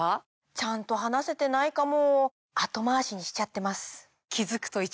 ちゃんと話せてないかも。